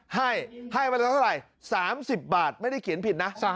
ให้ให้วันละเท่าไหร่๓๐บาทไม่ได้เขียนผิดนะ